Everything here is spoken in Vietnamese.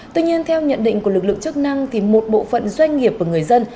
tuy nhiên theo nhận định của lực lượng chức năng thì một bộ phận doanh nghiệp của người dân